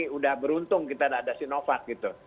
sudah beruntung kita tidak ada sinovac gitu